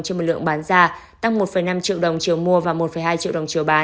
trên một lượng bán ra tăng một năm triệu đồng chiều mua và một hai triệu đồng chiều bán